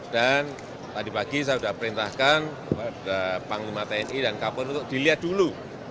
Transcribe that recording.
dan tadi pagi saya sudah perintahkan panglima tni dan kapolri untuk dilihat dulu